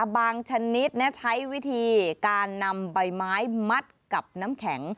ชนิดใช้วิธีการนำใบไม้มัดกับน้ำแข็ง